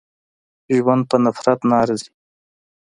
ژوند په نفرت نه ارزي.